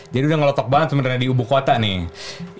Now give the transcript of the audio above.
jadi udah ngelotok banget sebenernya di ibu kota nih